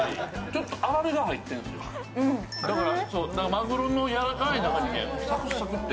まぐろのやわらかい中にサクサクって。